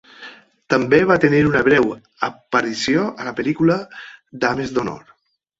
També va tenir una breu aparició a la pel·lícula "Dames d'honor".